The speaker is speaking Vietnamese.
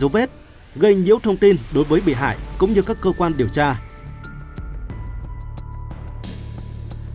rút vết gây nhiễu thông tin đối với bị hại cũng như các cơ quan điều tra ừ ừ